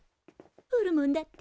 ホルモンだって。